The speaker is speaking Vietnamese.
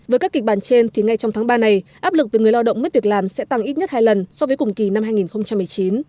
với các kịch bản trên thì ngay trong tháng ba này áp lực về người lao động mất việc làm sẽ tăng ít nhất hai lần so với cùng kỳ năm hai nghìn một mươi chín